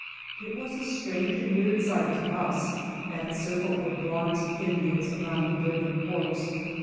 It was a strange weird sight to us, that circle of bronzed Indians around the burning corpse.